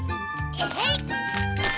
えい！